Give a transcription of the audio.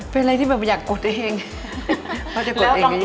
เป็นอะไรที่แบบอยากกดเองว่าจะกดเองกระทิเยอะ